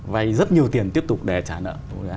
vay rất nhiều tiền tiếp tục để trả nợ